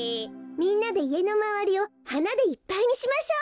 みんなでいえのまわりをはなでいっぱいにしましょう。